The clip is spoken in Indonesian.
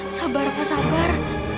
sabar pa sabar